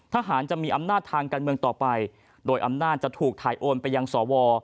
ทหารจะมีอำนาจทางการเมืองต่อไปโดยอำนาจจะถูกถ่ายโอนไปยังสว